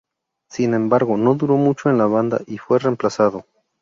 Sin embargo no duró mucho en la banda y fue reemplazado.